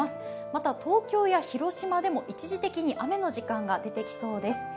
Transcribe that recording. また、東京や広島でも一時的に雨の時間が出てきそうです。